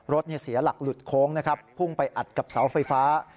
รถเสียหลักหลุดโค้งนะครับพุ่งไปอัดกับเสาไฟฟ้า